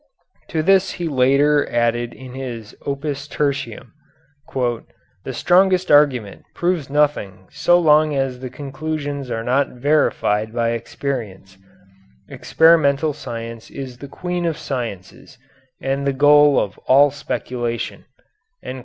To this he later added in his "Opus Tertium": "The strongest argument proves nothing so long as the conclusions are not verified by experience. Experimental science is the queen of sciences, and the goal of all speculation."